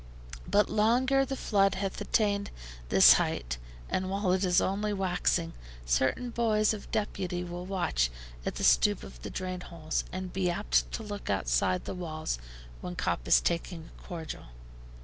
But long ere the flood hath attained this height, and while it is only waxing, certain boys of deputy will watch at the stoop of the drain holes, and be apt to look outside the walls when Cop is taking a cordial.